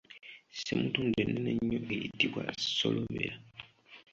Ssemutundu ennene ennyo eyitibwa solobera.